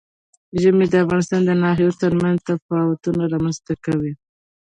ژمی د افغانستان د ناحیو ترمنځ تفاوتونه رامنځ ته کوي.